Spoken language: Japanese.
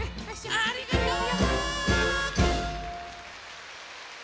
ありがとう！